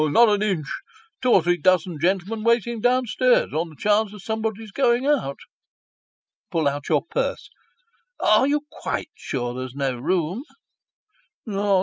"Not an inch two or three dozen Ii6 Sketches by Boz. gentlemen waiting down stairs on the chance of somebody's going out." Pull out your purse " Are you quite sure there's no room